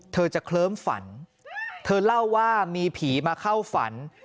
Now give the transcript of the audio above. เธอจะเคลิ้มฝันเธอเล่าว่ามีผีมาเข้าฝัน